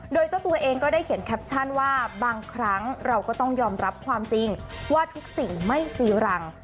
โดยเจ้าตัวเองก็ได้เขียนแคปชั่นว่าบางครั้งเราก็ต้องยอมรับความจริงว่าทุกสิ่งไม่จีรัง